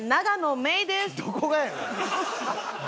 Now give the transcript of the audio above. どこがやねん！